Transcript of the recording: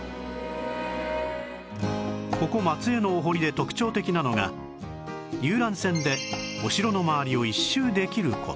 ここ松江のお堀で特徴的なのが遊覧船でお城の周りを一周できる事